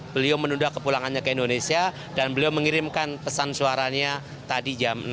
beliau menunda ke pulangannya ke indonesia dan beliau mengirimkan pesan suaranya tadi jam enam tiga puluh